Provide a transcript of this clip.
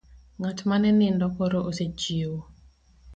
Ng'at mane nindo koro osechiewo.